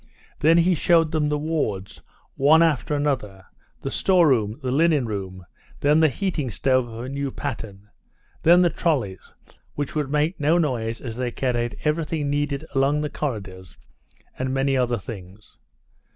Then he showed them the wards one after another, the storeroom, the linen room, then the heating stove of a new pattern, then the trolleys, which would make no noise as they carried everything needed along the corridors, and many other things.